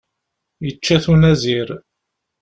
Ičča-t unazir.